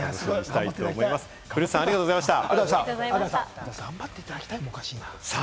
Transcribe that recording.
古内さん、ありがとうございました。